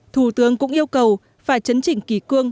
thủ tướng cũng yêu cầu phải chấn chỉnh kỳ cương